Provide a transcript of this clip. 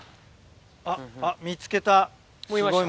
あっあっ見つけた。